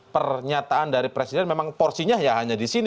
pernyataan dari presiden memang porsinya hanya disini